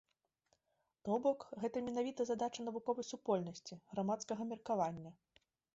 То бок, гэта менавіта задача навуковай супольнасці, грамадскага меркавання.